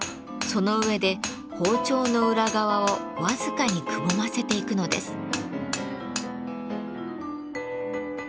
その上で包丁の裏側を僅かにくぼませていくのです。